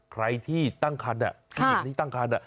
ใครที่ตั้งคันผู้หญิงที่ตั้งคัน